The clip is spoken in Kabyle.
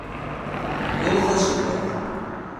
Yal taswiɛt.